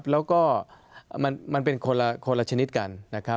แล้วก็มันเป็นคนละชนิดกัน